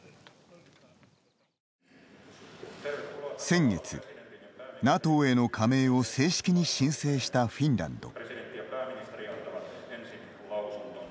先月、ＮＡＴＯへの加盟を正式に申請したフィンランド。